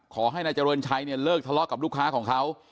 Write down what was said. ขอให้นายเจริญชัยเนี่ยเลิกทะเลาะกับลูกค้าของเขา